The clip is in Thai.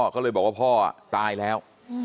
ก็เลยบอกพ่อไหว้ตายแล้ว